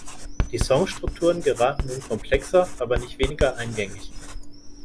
Die Songstrukturen geraten nun komplexer, aber nicht weniger eingängig.